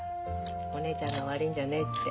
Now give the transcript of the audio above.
お姉ちゃんが悪いんじゃねえって。